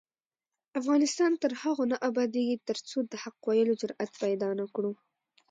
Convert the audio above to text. افغانستان تر هغو نه ابادیږي، ترڅو د حق ویلو جرات پیدا نکړو.